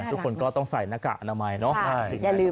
ทุกคนก็ต้องใส่หน้ากากอนามัยเนาะ